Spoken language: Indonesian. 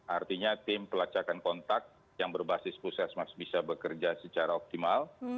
artinya tim pelacakan kontak yang berbasis puskesmas bisa bekerja secara optimal